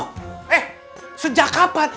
eh sejak kapan